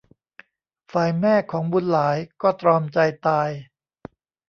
ฝ่ายแม่ของบุญหลายก็ตรอมใจตาย